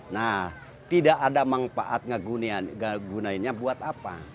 nah tidak ada manfaat menggunainya buat apa